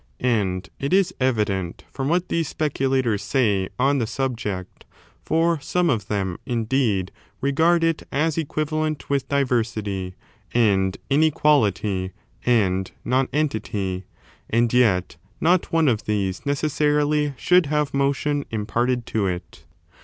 And it is evident from what these specu lators say on the subject; for some of them, indeed, regard it as equivalent with diversity, and inequality, and nonentity ; and yet not one of these necessarily should have motion imparted to it.